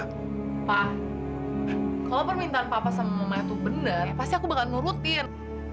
pak kalau permintaan papa sama mama itu benar pasti aku bakal nurutin